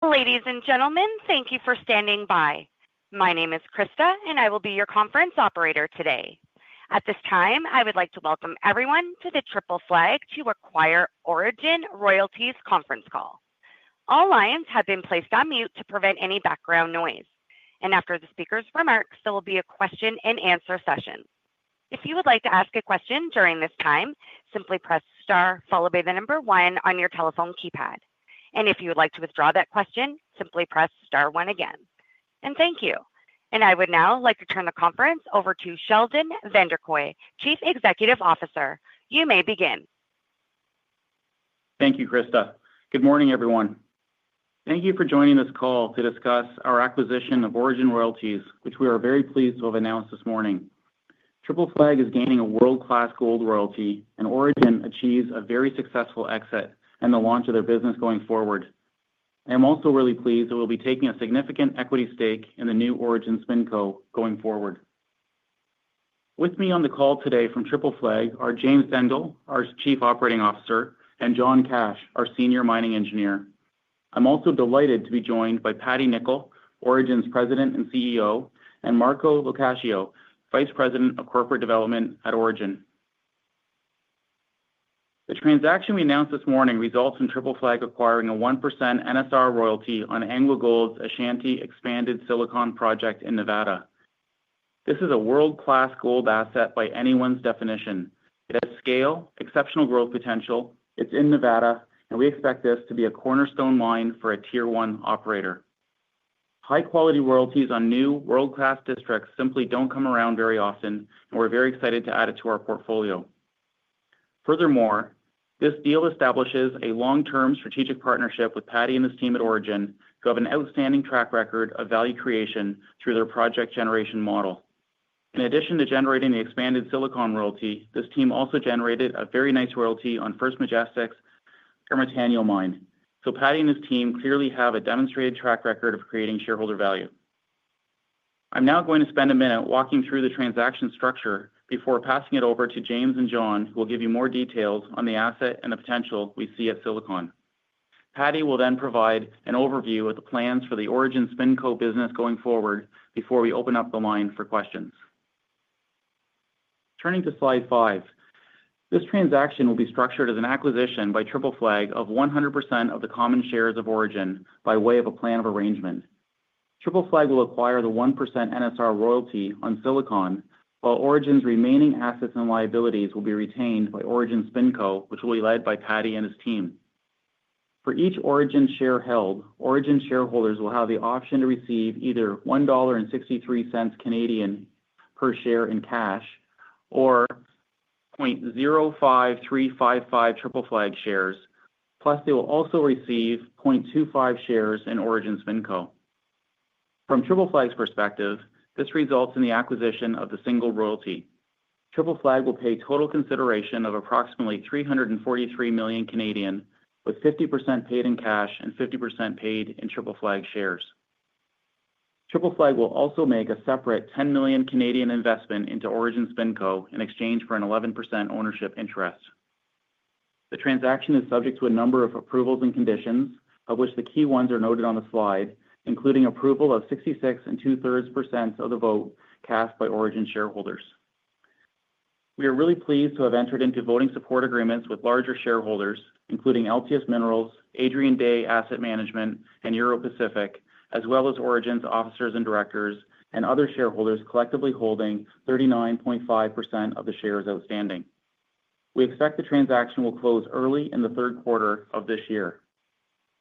Ladies and gentlemen, thank you for standing by. My name is Krista, and I will be your conference operator today. At this time, I would like to welcome everyone to the Triple Flag to Acquire Orogen Royalties conference call. All lines have been placed on mute to prevent any background noise. After the speaker's remarks, there will be a question-and-answer session. If you would like to ask a question during this time, simply press star, followed by the number one on your telephone keypad. If you would like to withdraw that question, simply press star one again. Thank you. I would now like to turn the conference over to Sheldon Vanderkooy, Chief Executive Officer. You may begin. Thank you, Krista. Good morning, everyone. Thank you for joining this call to discuss our acquisition of Orogen Royalties, which we are very pleased to have announced this morning. Triple Flag is gaining a world-class gold royalty, and Orogen achieves a very successful exit and the launch of their business going forward. I am also really pleased that we'll be taking a significant equity stake in the new Orogen Spin Co. going forward. With me on the call today from Triple Flag are James Dendle, our Chief Operating Officer, and John Cash, our Senior Mining Engineer. I'm also delighted to be joined by Paddy Nichol, Orogen's President and CEO, and Marco LoCasio, Vice President of Corporate Development at Orogen. The transaction we announced this morning results in Triple Flag acquiring a 1% NSR royalty on AngloGold Ashanti's Expanded Silicon Project in Nevada. This is a world-class gold asset by anyone's definition. It has scale, exceptional growth potential, it's in Nevada, and we expect this to be a cornerstone mine for a tier-one operator. High-quality royalties on new, world-class districts simply don't come around very often, and we're very excited to add it to our portfolio. Furthermore, this deal establishes a long-term strategic partnership with Paddy and his team at Orogen, who have an outstanding track record of value creation through their project generation model. In addition to generating the Expanded Silicon royalty, this team also generated a very nice royalty on First Majestic's Ermitaño mine. Paddy and his team clearly have a demonstrated track record of creating shareholder value. I'm now going to spend a minute walking through the transaction structure before passing it over to James and John, who will give you more details on the asset and the potential we see at Silicon. Paddy will then provide an overview of the plans for the Orogen Spin Co. business going forward before we open up the line for questions. Turning to slide five, this transaction will be structured as an acquisition by Triple Flag of 100% of the common shares of Orogen by way of a plan of arrangement. Triple Flag will acquire the 1% NSR royalty on Silicon, while Orogen's remaining assets and liabilities will be retained by Orogen Spin Co., which will be led by Paddy and his team. For each Orogen share held, Orogen shareholders will have the option to receive either 1.63 Canadian dollars per share in cash or 0.05355 Triple Flag shares, plus they will also receive 0.25 shares in Orogen Spin Co. From Triple Flag's perspective, this results in the acquisition of the single royalty. Triple Flag will pay total consideration of approximately 343 million, with 50% paid in cash and 50% paid in Triple Flag shares. Triple Flag will also make a separate 10 million investment into Orogen Spin Co. in exchange for an 11% ownership interest. The transaction is subject to a number of approvals and conditions, of which the key ones are noted on the slide, including approval of 66 and two-thirds % of the vote cast by Orogen shareholders. We are really pleased to have entered into voting support agreements with larger shareholders, including LTS Minerals, Adrian Day Asset Management, and Euro Pacific, as well as Orogen's officers and directors and other shareholders collectively holding 39.5% of the shares outstanding. We expect the transaction will close early in the third quarter of this year.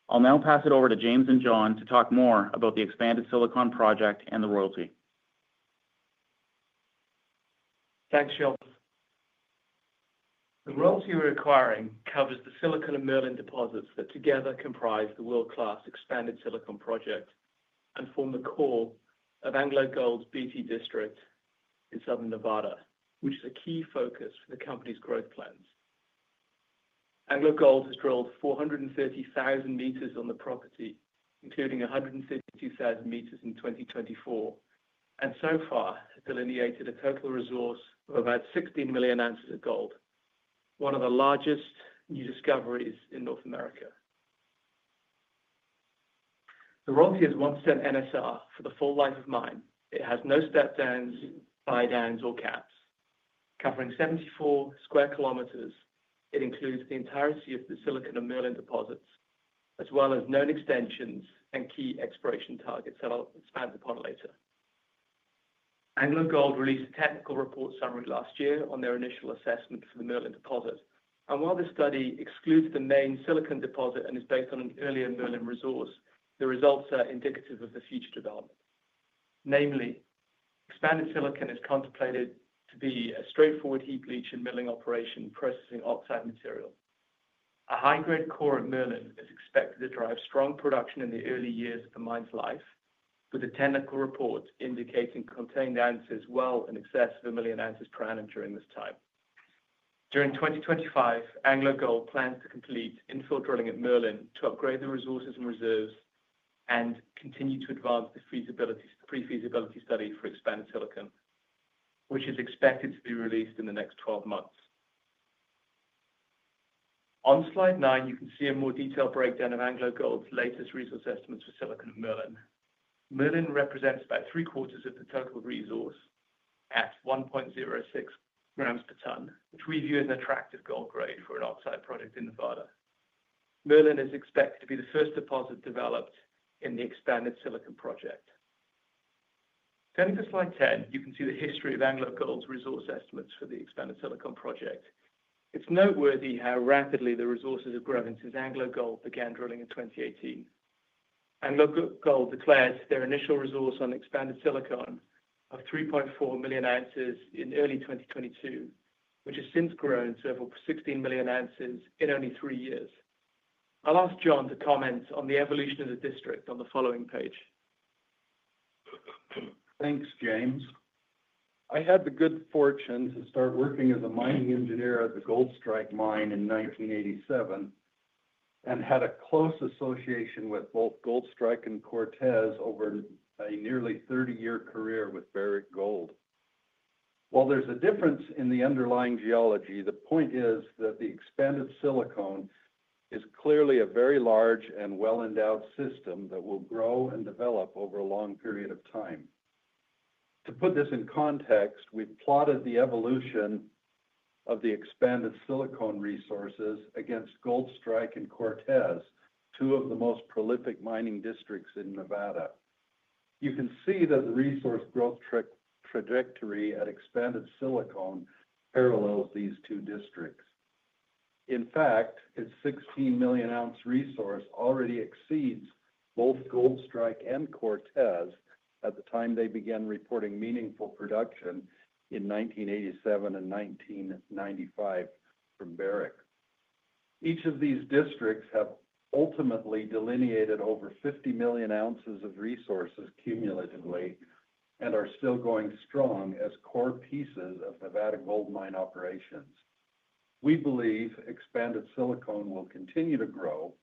I'll now pass it over to James and John to talk more about the Expanded Silicon Project and the royalty. Thanks, Sheldon. The royalty we're acquiring covers the Silicon and Merlin deposits that together comprise the world-class Expanded Silicon Project and form the core of AngloGold's BT district in southern Nevada, which is a key focus for the company's growth plans. AngloGold has drilled 430,000 meters on the property, including 150,000 meters in 2024, and so far has delineated a total resource of about 16 million ounces of gold, one of the largest new discoveries in North America. The royalty is 1% NSR for the full life of mine. It has no step-downs, buy-downs, or caps. Covering 74 sq km, it includes the entirety of the Silicon and Merlin deposits, as well as known extensions and key exploration targets that I'll expand upon later. AngloGold released a technical report summary last year on their initial assessment for the Merlin deposit. While this study excludes the main Silicon deposit and is based on an earlier Merlin resource, the results are indicative of the future development. Namely, Expanded Silicon is contemplated to be a straightforward heap leach and milling operation processing oxide material. A high-grade core of Merlin is expected to drive strong production in the early years of the mine's life, with the technical report indicating contained ounces well in excess of a million ounces per annum during this time. During 2025, AngloGold plans to complete infill drilling at Merlin to upgrade the resources and reserves and continue to advance the pre-feasibility study for Expanded Silicon, which is expected to be released in the next 12 months. On slide nine, you can see a more detailed breakdown of AngloGold's latest resource estimates for Silicon and Merlin. Merlin represents about three-quarters of the total resource at 1.06 grams per ton, which we view as an attractive gold grade for an oxide product in Nevada. Merlin is expected to be the first deposit developed in the Expanded Silicon Project. Turning to slide ten, you can see the history of AngloGold's resource estimates for the Expanded Silicon Project. It's noteworthy how rapidly the resources have grown since AngloGold began drilling in 2018. AngloGold declared their initial resource on Expanded Silicon of 3.4 million ounces in early 2022, which has since grown to over 16 million ounces in only three years. I'll ask John to comment on the evolution of the district on the following page. Thanks, James. I had the good fortune to start working as a mining engineer at the Goldstrike mine in 1987 and had a close association with both Goldstrike and Cortez over a nearly 30-year career with Barrick Gold. While there's a difference in the underlying geology, the point is that the Expanded Silicon is clearly a very large and well-endowed system that will grow and develop over a long period of time. To put this in context, we've plotted the evolution of the Expanded Silicon resources against Goldstrike and Cortez, two of the most prolific mining districts in Nevada. You can see that the resource growth trajectory at Expanded Silicon parallels these two districts. In fact, its 16 million ounce resource already exceeds both Goldstrike and Cortez at the time they began reporting meaningful production in 1987 and 1995 from Barrick. Each of these districts have ultimately delineated over 50 million ounces of resources cumulatively and are still going strong as core pieces of Nevada gold mine operations. We believe Expanded Silicon will continue to grow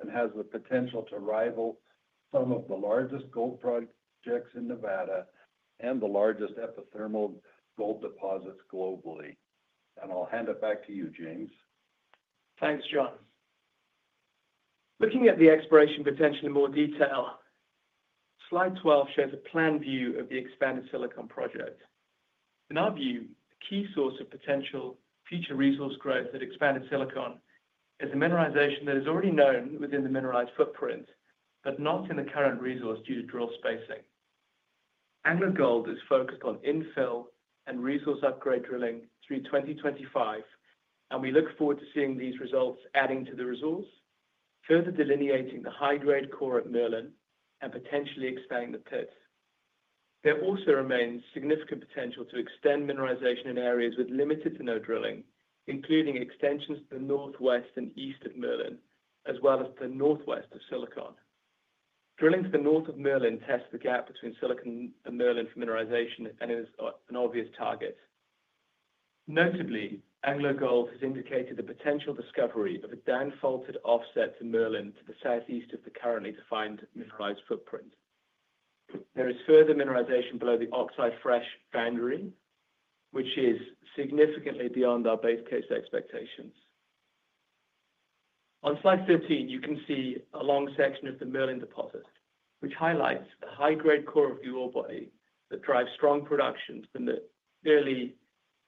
and has the potential to rival some of the largest gold projects in Nevada and the largest epithermal gold deposits globally. I'll hand it back to you, James. Thanks, John. Looking at the exploration potential in more detail, slide 12 shows a plan view of the Expanded Silicon Project. In our view, the key source of potential future resource growth at Expanded Silicon is the mineralization that is already known within the mineralized footprint, but not in the current resource due to drill spacing. AngloGold is focused on infill and resource upgrade drilling through 2025, and we look forward to seeing these results adding to the resource, further delineating the high-grade core at Merlin and potentially expanding the pits. There also remains significant potential to extend mineralization in areas with limited to no drilling, including extensions to the northwest and east of Merlin, as well as the northwest of Silicon. Drilling to the north of Merlin tests the gap between Silicon and Merlin for mineralization, and it is an obvious target. Notably, AngloGold has indicated the potential discovery of a downfaulted offset to Merlin to the southeast of the currently defined mineralized footprint. There is further mineralization below the oxide fresh boundary, which is significantly beyond our base case expectations. On slide 13, you can see a long section of the Merlin deposit, which highlights the high-grade core of the ore body that drives strong production nearly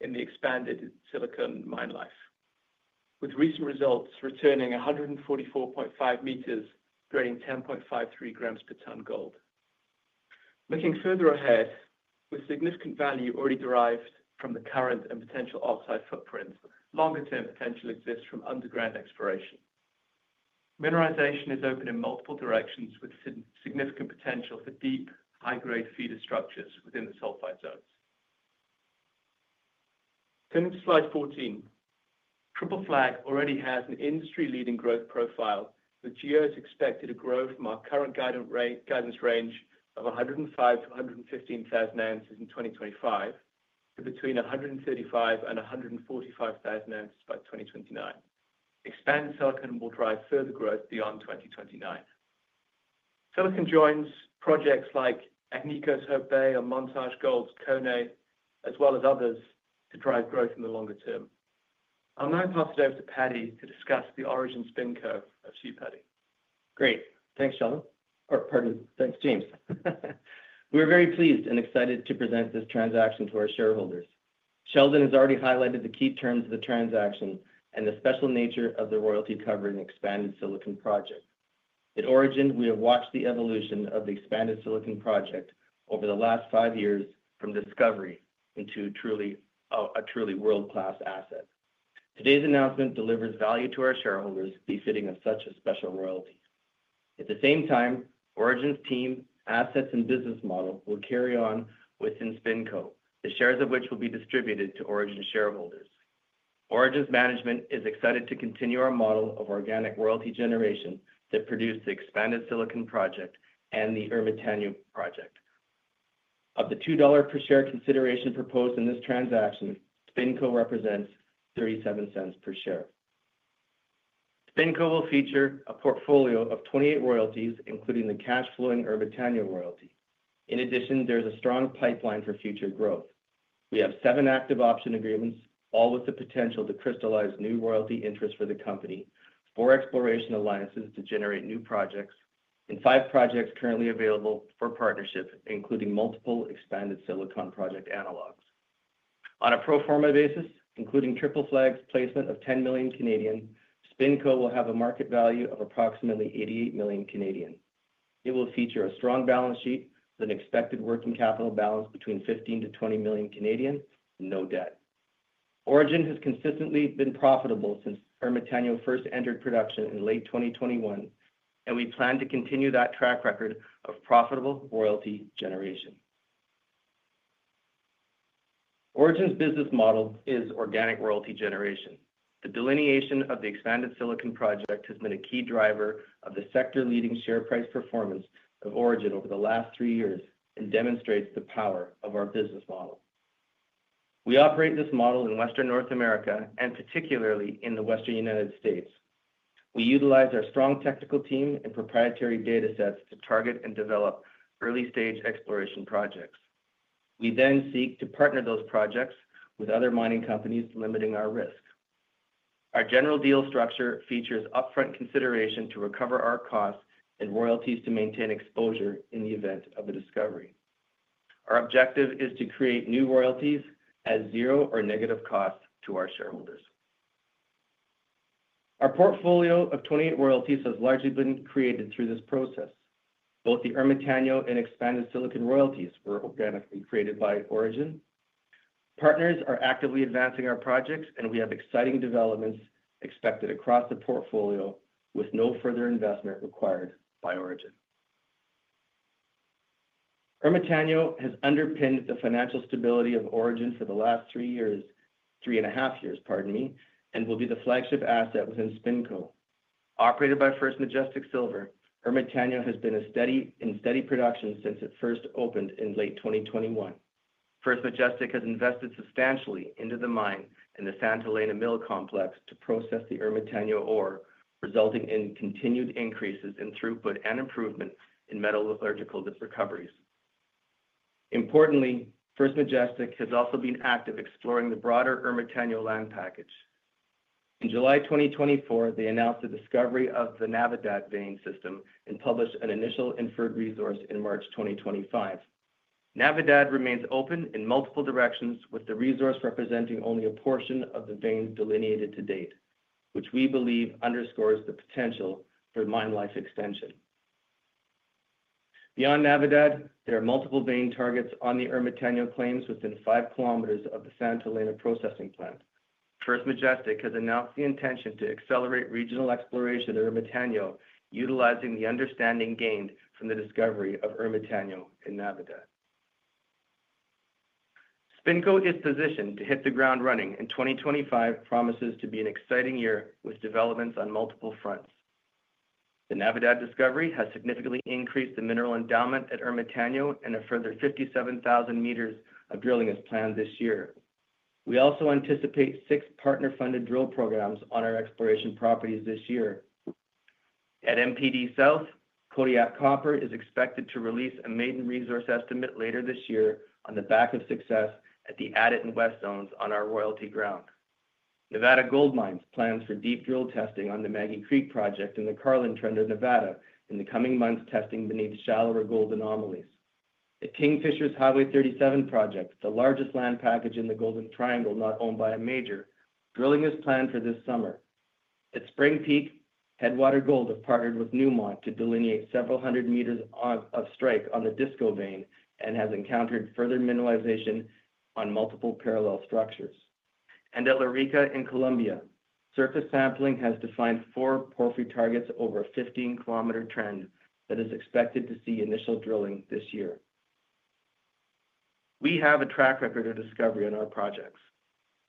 in the Expanded Silicon mine life, with recent results returning 144.5 meters grading 10.53 grams per ton gold. Looking further ahead, with significant value already derived from the current and potential oxide footprint, longer-term potential exists from underground exploration. Mineralization is open in multiple directions, with significant potential for deep high-grade feeder structures within the sulfide zones. Turning to slide 14, Triple Flag already has an industry-leading growth profile, with geos expected to grow from our current guidance range of 105,000-115,000 ounces in 2025 to between 135,000 and 145,000 ounces by 2029. Expanded Silicon will drive further growth beyond 2029. Silicon joins projects like Agnico's Hope Bay and Montage Gold's Kone, as well as others to drive growth in the longer term. I'll now pass it over to Paddy to discuss the Orogen Spin Co. of Sioux Paddy. Great. Thanks, John. Or, pardon, thanks, James. We're very pleased and excited to present this transaction to our shareholders. Sheldon has already highlighted the key terms of the transaction and the special nature of the royalty covering Expanded Silicon Project. At Orogen, we have watched the evolution of the Expanded Silicon Project over the last five years from discovery into a truly world-class asset. Today's announcement delivers value to our shareholders befitting of such a special royalty. At the same time, Orogen's team, assets, and business model will carry on within Spin Co., the shares of which will be distributed to Orogen shareholders. Orogen's management is excited to continue our model of organic royalty generation that produced the Expanded Silicon Project and the Ermitaño project. Of the $2 per share consideration proposed in this transaction, Spin Co. represents $0.37 per share. Spin Co. will feature a portfolio of 28 royalties, including the cash-flowing Ermitaño royalty. In addition, there's a strong pipeline for future growth. We have seven active option agreements, all with the potential to crystallize new royalty interests for the company, four exploration alliances to generate new projects, and five projects currently available for partnership, including multiple Expanded Silicon Project analogs. On a pro forma basis, including Triple Flag's placement of 10 million, Spin Co. will have a market value of approximately 88 million. It will feature a strong balance sheet, an expected working capital balance between 15-20 million, and no debt. Orogen has consistently been profitable since Ermitaño first entered production in late 2021, and we plan to continue that track record of profitable royalty generation. Orogen's business model is organic royalty generation. The delineation of the Expanded Silicon Project has been a key driver of the sector-leading share price performance of Orogen over the last three years and demonstrates the power of our business model. We operate this model in Western North America and particularly in the Western United States. We utilize our strong technical team and proprietary data sets to target and develop early-stage exploration projects. We then seek to partner those projects with other mining companies, limiting our risk. Our general deal structure features upfront consideration to recover our costs and royalties to maintain exposure in the event of a discovery. Our objective is to create new royalties at zero or negative costs to our shareholders. Our portfolio of 28 royalties has largely been created through this process. Both the Ermitaño and Expanded Silicon royalties were organically created by Orogen. Partners are actively advancing our projects, and we have exciting developments expected across the portfolio with no further investment required by Orogen. Ermitaño has underpinned the financial stability of Orogen for the last three years, three and a half years, pardon me, and will be the flagship asset within Spin Co. Operated by First Majestic Silver, Ermitaño has been in steady production since it first opened in late 2021. First Majestic has invested substantially into the mine and the Santa Elena Mill Complex to process the Ermitaño ore, resulting in continued increases in throughput and improvement in metallurgical recoveries. Importantly, First Majestic has also been active exploring the broader Ermitaño land package. In July 2024, they announced the discovery of the Navidad vein system and published an initial inferred resource in March 2025. Navidad remains open in multiple directions, with the resource representing only a portion of the veins delineated to date, which we believe underscores the potential for mine life extension. Beyond Navidad, there are multiple vein targets on the Ermitaño claims within 5 kilometers of the Santa Elena processing plant. First Majestic has announced the intention to accelerate regional exploration at Ermitaño, utilizing the understanding gained from the discovery of Ermitaño in Navidad. Spin Co. is positioned to hit the ground running, and 2025 promises to be an exciting year with developments on multiple fronts. The Navidad discovery has significantly increased the mineral endowment at Ermitaño and a further 57,000 meters of drilling is planned this year. We also anticipate six partner-funded drill programs on our exploration properties this year. At MPD South, Kodiak Copper is expected to release a maiden resource estimate later this year on the back of success at the Addit and West zones on our royalty ground. Nevada Gold Mines plans for deep drill testing on the Maggie Creek project in the Carlin Trend, Nevada, in the coming months, testing beneath shallower gold anomalies. At Kingfisher's Highway 37 project, the largest land package in the Golden Triangle not owned by a major, drilling is planned for this summer. At Spring Peak, Headwater Gold have partnered with Newmont to delineate several hundred meters of strike on the disco vein and has encountered further mineralization on multiple parallel structures. At Larica in Colombia, surface sampling has defined four porphyry targets over a 15-kilometer trend that is expected to see initial drilling this year. We have a track record of discovery on our projects,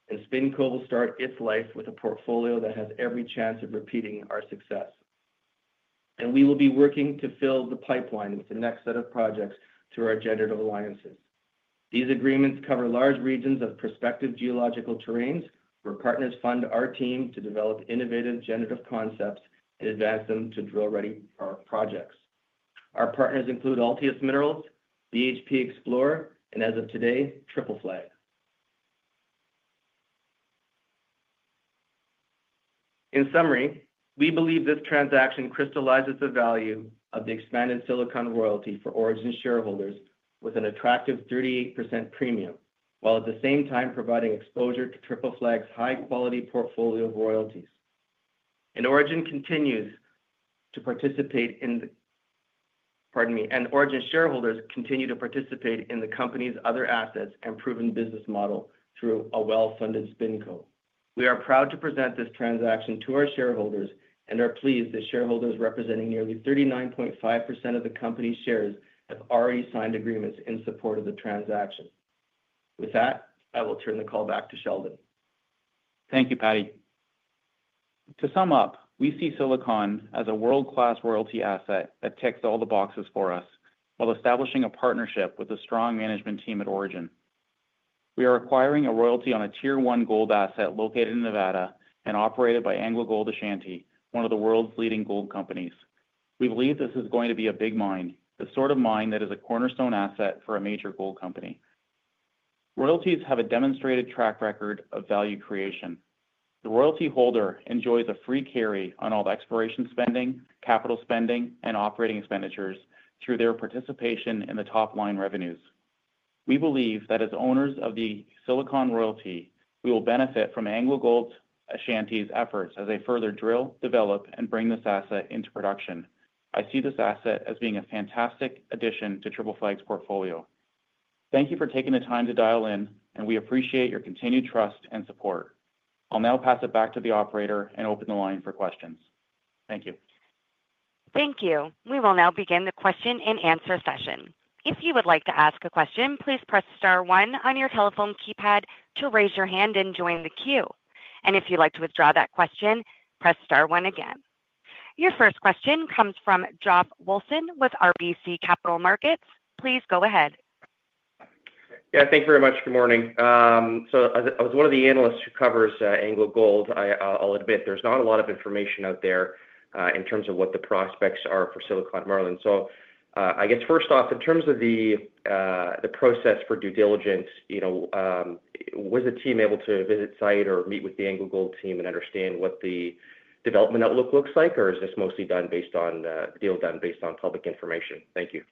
and Spin Co. will start its life with a portfolio that has every chance of repeating our success. We will be working to fill the pipeline with the next set of projects through our generative alliances. These agreements cover large regions of prospective geological terrains where partners fund our team to develop innovative generative concepts and advance them to drill-ready projects. Our partners include Altius Minerals, BHP Explorer, and as of today, Triple Flag. In summary, we believe this transaction crystallizes the value of the Expanded Silicon royalty for Orogen shareholders with an attractive 38% premium, while at the same time providing exposure to Triple Flag's high-quality portfolio of royalties. Orogen continues to participate in the, pardon me, Orogen shareholders continue to participate in the company's other assets and proven business model through a well-funded Spin Co. We are proud to present this transaction to our shareholders and are pleased that shareholders representing nearly 39.5% of the company's shares have already signed agreements in support of the transaction. With that, I will turn the call back to Sheldon. Thank you, Paddy. To sum up, we see Silicon as a world-class royalty asset that ticks all the boxes for us while establishing a partnership with a strong management team at Orogen. We are acquiring a royalty on a tier-one gold asset located in Nevada and operated by AngloGold Ashanti, one of the world's leading gold companies. We believe this is going to be a big mine, the sort of mine that is a cornerstone asset for a major gold company. Royalties have a demonstrated track record of value creation. The royalty holder enjoys a free carry on all the exploration spending, capital spending, and operating expenditures through their participation in the top line revenues. We believe that as owners of the Silicon royalty, we will benefit from AngloGold Ashanti's efforts as they further drill, develop, and bring this asset into production. I see this asset as being a fantastic addition to Triple Flag's portfolio. Thank you for taking the time to dial in, and we appreciate your continued trust and support. I'll now pass it back to the operator and open the line for questions. Thank you. Thank you. We will now begin the question and answer session. If you would like to ask a question, please press star one on your telephone keypad to raise your hand and join the queue. If you'd like to withdraw that question, press star one again. Your first question comes from Jof Wilson with RBC Capital Markets. Please go ahead. Yeah, thank you very much. Good morning. As one of the analysts who covers AngloGold, I'll admit there's not a lot of information out there in terms of what the prospects are for Silicon Merlin. I guess first off, in terms of the process for due diligence, was the team able to visit site or meet with the AngloGold team and understand what the development outlook looks like, or is this mostly done based on the deal done based on public information? Thank you.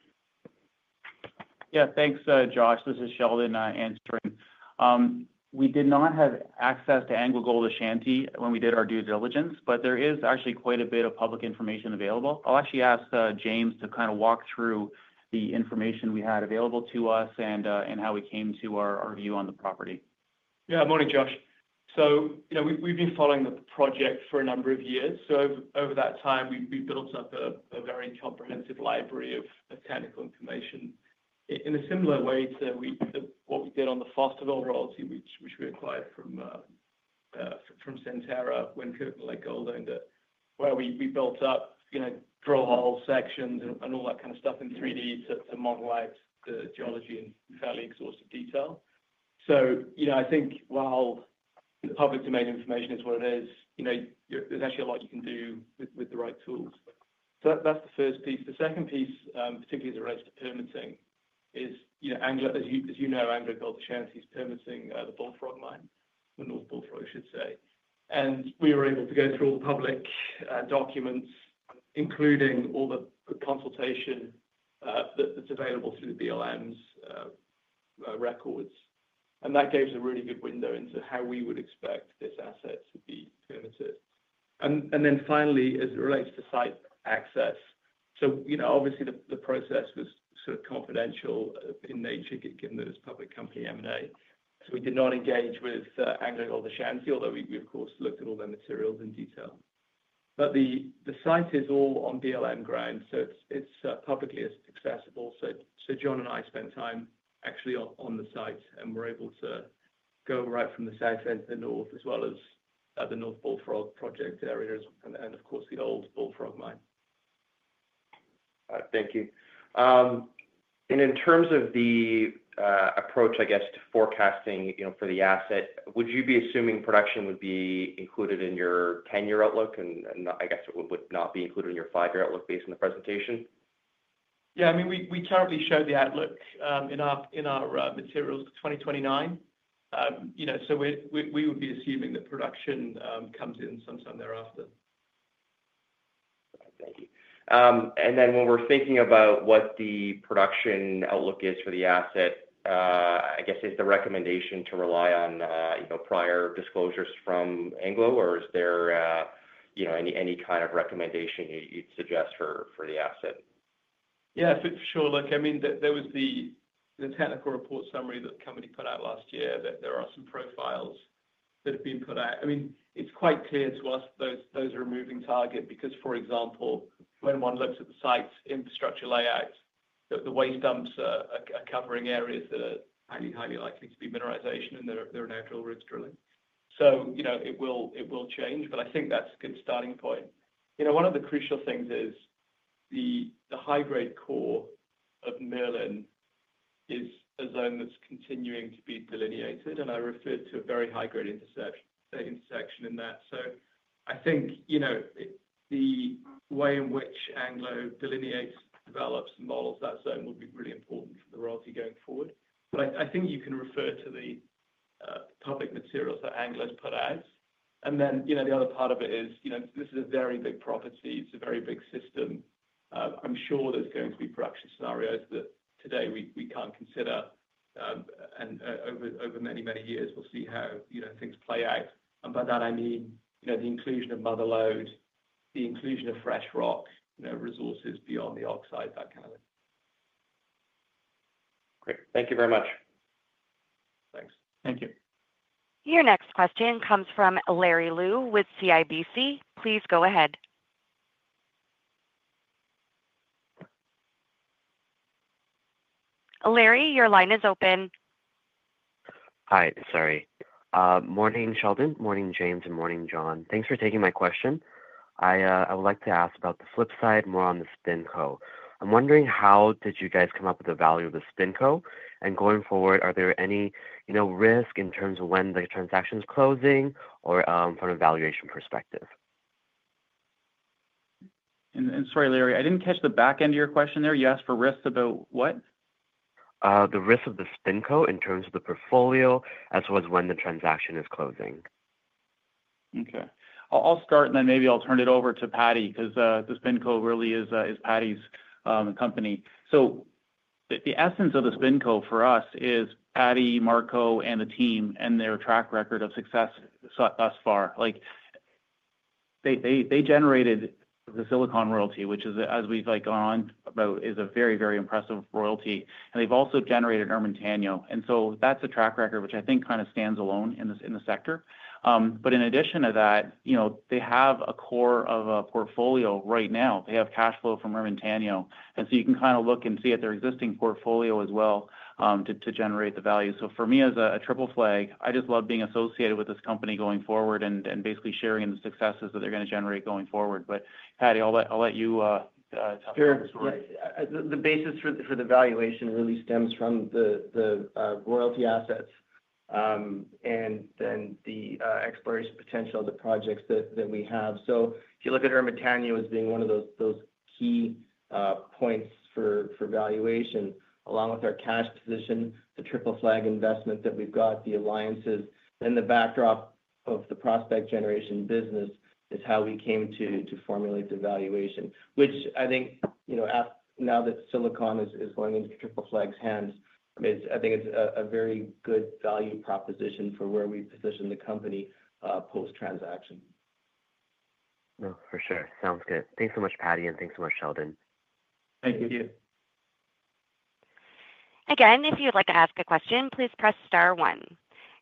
Yeah, thanks, Josh. This is Sheldon answering. We did not have access to AngloGold Ashanti when we did our due diligence, but there is actually quite a bit of public information available. I'll actually ask James to kind of walk through the information we had available to us and how we came to our view on the property. Yeah, morning, Josh. We have been following the project for a number of years. Over that time, we built up a very comprehensive library of technical information. In a similar way to what we did on the Fosterville royalty, which we acquired from Centera when Coconut Gold owned it, where we built up drill hole sections and all that kind of stuff in 3D to model out the geology in fairly exhaustive detail. I think while the public domain information is what it is, there is actually a lot you can do with the right tools. That is the first piece. The second piece, particularly as it relates to permitting, is, as you know, AngloGold Ashanti is permitting the Bullfrog mine, the North Bullfrog, I should say. We were able to go through all the public documents, including all the consultation that is available through the BLM's records. That gave us a really good window into how we would expect this asset to be permitted. Finally, as it relates to site access, obviously the process was sort of confidential in nature given that it is public company M&A. We did not engage with AngloGold Ashanti, although we, of course, looked at all their materials in detail. The site is all on BLM ground, so it is publicly accessible. John and I spent time actually on the site, and we were able to go right from the south end to the north, as well as the North Bullfrog project areas, and of course, the old Bullfrog mine. Thank you. In terms of the approach, I guess, to forecasting for the asset, would you be assuming production would be included in your 10-year outlook and I guess it would not be included in your 5-year outlook based on the presentation? Yeah, I mean, we currently show the outlook in our materials for 2029. We would be assuming that production comes in sometime thereafter. Thank you. When we're thinking about what the production outlook is for the asset, I guess, is the recommendation to rely on prior disclosures from Anglo, or is there any kind of recommendation you'd suggest for the asset? Yeah, for sure. Look, I mean, there was the technical report summary that the company put out last year that there are some profiles that have been put out. I mean, it's quite clear to us that those are a moving target because, for example, when one looks at the site's infrastructure layout, the waste dumps are covering areas that are highly, highly likely to be mineralization, and they're a natural ridge drilling. It will change, but I think that's a good starting point. One of the crucial things is the high-grade core of Merlin is a zone that's continuing to be delineated, and I referred to a very high-grade intersection in that. I think the way in which Anglo delineates, develops, and models that zone will be really important for the royalty going forward. I think you can refer to the public materials that Anglo's put out. The other part of it is this is a very big property. It's a very big system. I'm sure there's going to be production scenarios that today we can't consider, and over many, many years, we'll see how things play out. By that, I mean the inclusion of mother load, the inclusion of fresh rock, resources beyond the oxide, that kind of thing. Great. Thank you very much. Thanks. Thank you. Your next question comes from Larry Lu with CIBC. Please go ahead. Larry, your line is open. Hi, sorry. Morning, Sheldon. Morning, James, and morning, John. Thanks for taking my question. I would like to ask about the flip side, more on the Spin Co. I'm wondering how did you guys come up with the value of the Spin Co, and going forward, are there any risks in terms of when the transaction's closing or from a valuation perspective? Sorry, Larry, I didn't catch the back end of your question there. You asked for risks about what? The risks of the SpinCo in terms of the portfolio as well as when the transaction is closing. Okay. I'll start, and then maybe I'll turn it over to Paddy because the SpinCo really is Paddy 's company. The essence of the SpinCo for us is Paddy, Marco, and the team and their track record of success thus far. They generated the Silicon royalty, which, as we've gone on, is a very, very impressive royalty. They've also generated Ermitaño. That's a track record, which I think kind of stands alone in the sector. In addition to that, they have a core of a portfolio right now. They have cash flow from Ermitaño. You can kind of look and see at their existing portfolio as well to generate the value. For me, as a Triple Flag, I just love being associated with this company going forward and basically sharing in the successes that they're going to generate going forward. Paddy, I'll let you tell the story. The basis for the valuation really stems from the royalty assets and then the exploration potential of the projects that we have. If you look at Ermitaño as being one of those key points for valuation, along with our cash position, the Triple Flag investment that we've got, the alliances, then the backdrop of the prospect generation business is how we came to formulate the valuation, which I think now that Silicon is going into Triple Flag's hands, I think it's a very good value proposition for where we position the company post-transaction. For sure. Sounds good. Thanks so much, Paddy, and thanks so much, Sheldon. Thank you. Again, if you'd like to ask a question, please press star one.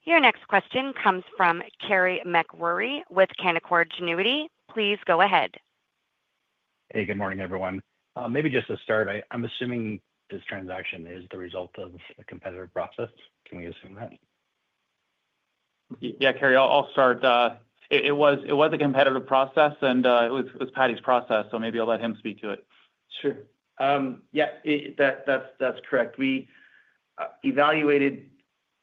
Your next question comes from Carey Macrury with Canaccord Genuity. Please go ahead. Hey, good morning, everyone. Maybe just to start, I'm assuming this transaction is the result of a competitive process. Can we assume that? Yeah, Carey, I'll start. It was a competitive process, and it was Paddy's process, so maybe I'll let him speak to it. Sure. Yeah, that's correct. We evaluated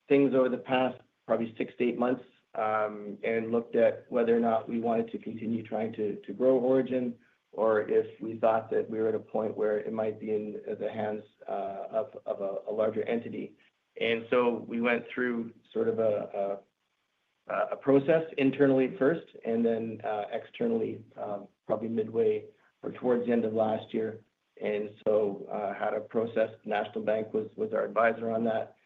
things over the past probably six to eight months and looked at whether or not we wanted to continue trying to grow Orogen or if we thought that we were at a point where it might be in the hands of a larger entity. We went through sort of a process internally first and then externally probably midway or towards the end of last year. We had a process. National Bank was our advisor on that.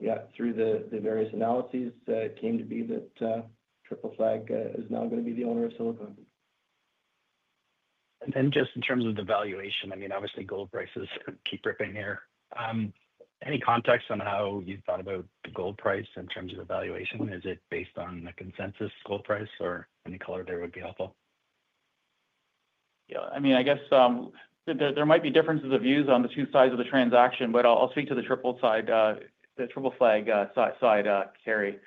Yeah, through the various analyses, it came to be that Triple Flag is now going to be the owner of Silicon. Just in terms of the valuation, I mean, obviously, gold prices keep ripping here. Any context on how you thought about the gold price in terms of the valuation? Is it based on a consensus gold price, or any color there would be helpful? Yeah, I mean, I guess there might be differences of views on the two sides of the transaction, but I'll speak to the Triple Flag side, Carey.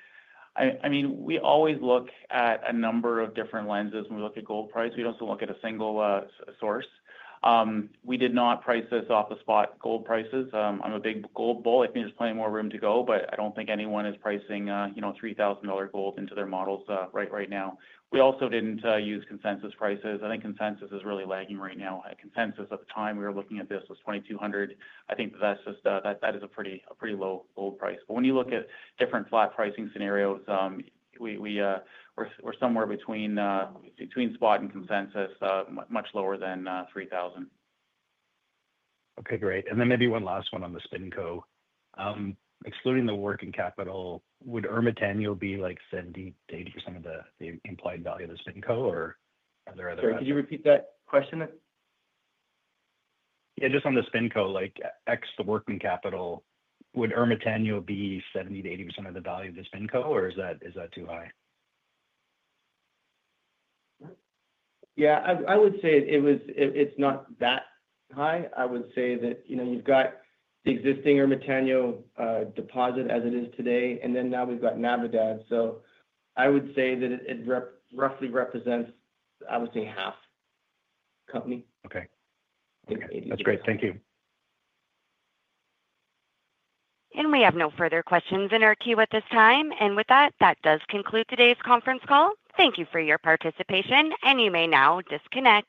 I mean, we always look at a number of different lenses when we look at gold price. We do not just look at a single source. We did not price this off the spot gold prices. I'm a big gold bull. I think there is plenty more room to go, but I do not think anyone is pricing $3,000 gold into their models right now. We also did not use consensus prices. I think consensus is really lagging right now. At consensus at the time we were looking at this was $2,200. I think that that is a pretty low gold price. When you look at different flat pricing scenarios, we are somewhere between spot and consensus, much lower than $3,000. Okay, great. Maybe one last one on the Spin Co. Excluding the working capital, would Ermitaño be like 70-80% of the implied value of the Spin Co, or are there other? Sorry, could you repeat that question? Yeah, just on the Spin Co, like X, the working capital, would Ermitaño be 70-80% of the value of the Spin Co, or is that too high? Yeah, I would say it's not that high. I would say that you've got the existing Ermitaño deposit as it is today, and then now we've got Navidad. I would say that it roughly represents, I would say, half company. Okay. That's great. Thank you. We have no further questions in our queue at this time. With that, that does conclude today's conference call. Thank you for your participation, and you may now disconnect.